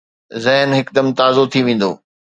ذهن هڪدم تازو ٿي ويندو